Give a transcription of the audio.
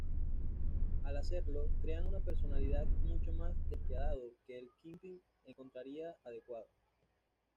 Al hacerlo, crean una personalidad mucho más despiadado que el Kingpin encontraría adecuado.